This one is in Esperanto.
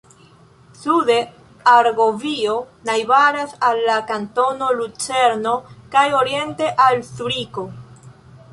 Sude Argovio najbaras al la kantono Lucerno kaj oriente al Zuriko.